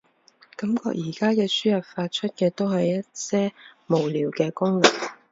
感覺而家嘅輸入法，出嘅都係一些無聊嘅功能